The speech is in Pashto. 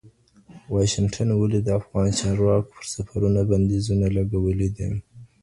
واشنګټن ولي د افغان چارواکو پر سفرونو بندیزونه لګولي دي؟